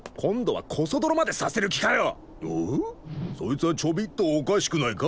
そいつはちょびっとおかしくないか？